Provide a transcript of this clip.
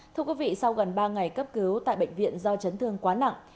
thưa quý vị sau gần ba ngày cấp cứu tại bệnh viện do chấn thương quá nặng